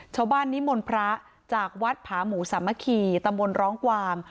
ชาวบ้านนิมนต์พระจากวัดผาหมู่สามะขี่ตำบนร้องกวาม